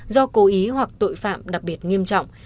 do cố ý hoặc tội phạm đặc biệt nghiêm trọng